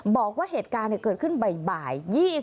บอกว่าเหตุการณ์เกิดขึ้นบ่าย